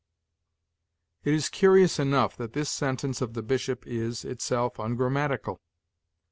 It is curious enough that this sentence of the Bishop is, itself, ungrammatical!